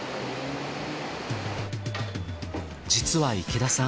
実は池田さん